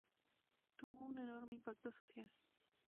Tuvo un enorme impacto social.